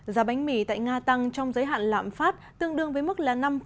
giá bánh mì tại nga tăng trong giới hạn lạm phát tương đương với mức là năm